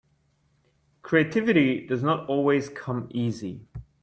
Creativity does not always come easy.